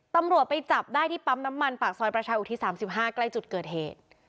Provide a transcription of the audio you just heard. ตำรวจไปจับได้ที่ปั๊มน้ำมันปากซอยประชาอุทิศ๓๕ใกล้จุดเกิดเหตุ